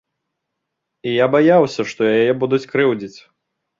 І я баяўся, што яе будуць крыўдзіць.